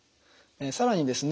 更にですね